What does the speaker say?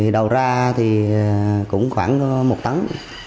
đầu ra thì cũng khoảng một tắng